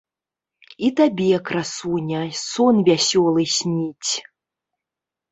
І табе, красуня, сон вясёлы сніць!